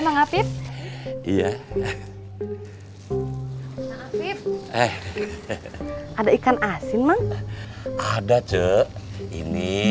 mak afif iya mak afif eh ada ikan asin mak ada ce ini